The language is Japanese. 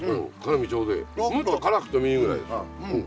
もっと辛くてもいいぐらいですよ。